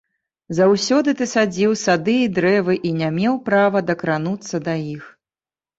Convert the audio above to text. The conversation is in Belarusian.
Заўсёды ты садзіў сады і дрэвы і не меў права дакрануцца да іх.